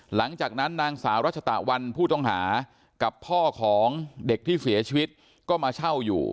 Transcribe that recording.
หลังจากนั้นนางสาวรัชตะวันผู้ต้องหากับพ่อของเด็กที่เสียชีวิตก็มาเช่าอยู่